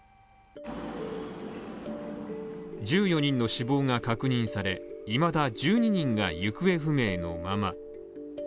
１４人の死亡が確認され、いまだ１２人が行方不明のまま。